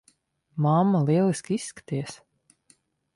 Mamma, lieliski izskaties.